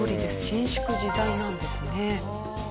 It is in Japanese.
伸縮自在なんですね。